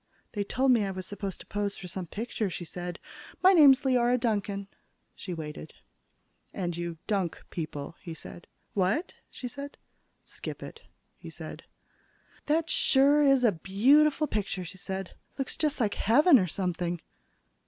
"They told me I was supposed to pose for some picture," she said. "My name's Leora Duncan." She waited. "And you dunk people," he said. "What?" she said. "Skip it," he said. "That sure is a beautiful picture," she said. "Looks just like heaven or something."